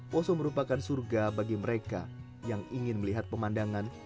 poso merupakan surga bagi mereka yang ingin melihat pemandangan